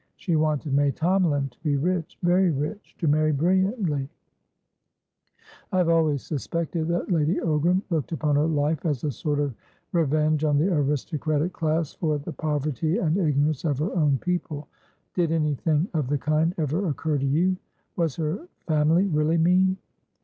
She wanted May Tomalin to be rich, very rich, to marry brilliantly. I have always suspected that Lady Ogram looked upon her life as a sort of revenge on the aristocratic class for the poverty and ignorance of her own people; did anything of the kind ever occur to you?" "Was her family really mean?"